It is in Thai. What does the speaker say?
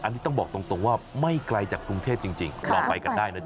อันนี้ต้องบอกตรงว่าไม่ไกลจากกรุงเทพจริงลองไปกันได้นะจ